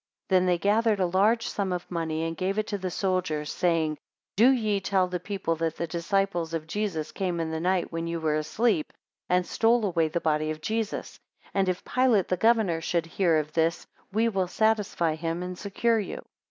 16 Then they gathered a large sum of money, and gave it to the soldiers, saying, Do ye tell the people that the disciples of Jesus came in the night when ye were asleep, and stole away the body of Jesus; and if Pilate the governor should hear of this, we will satisfy him and secure you.